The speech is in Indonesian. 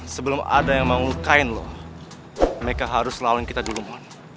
sebelum ada yang mau ngelukain lo mereka harus lawan kita dulu mon